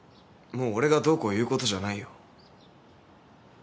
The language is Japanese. もう俺がどうこう言うことじゃないよ。